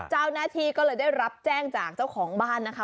เจ้าหน้าที่ก็เลยได้รับแจ้งจากเจ้าของบ้านนะคะ